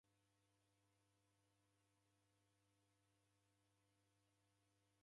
Mtandiko ghareda ngungunyi.